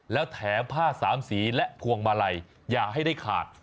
แล้วแถมผ้าสามสีและพวงมาลัยอย่าให้ได้ขาด